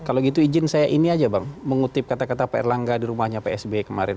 kalau gitu izin saya ini aja bang mengutip kata kata pak erlangga di rumahnya psb kemarin